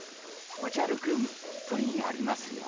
おじゃるくんプリンありますよ。